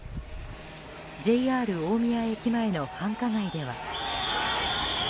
ＪＲ大宮駅前の繁華街では。